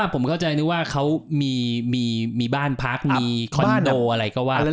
ผมเข้าใจนึกว่าเขามีบ้านพักมีคอนโดอะไรก็ว่า